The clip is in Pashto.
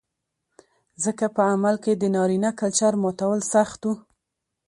ځکه په عمل کې د نارينه کلچر ماتول سخت و